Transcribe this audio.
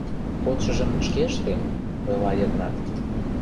— Кодшыжым шке ыштем, — ойла Йыгнат.